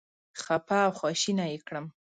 خپه او خواشینی یې کړم.